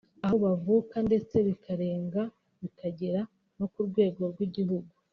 aho bavuka ndetse bikarenga bikagera no ku rwego rw’igihugu